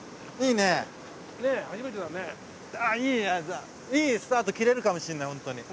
いいスタート切れるかもしれないホントに。